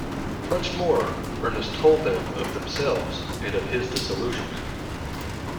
Much more Ernest told them of themselves and of his disillusionment.